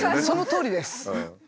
そのとおりです。